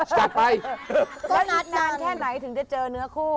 แล้วอีกงานแค่ไหนถึงจะเจอเนื้อคู่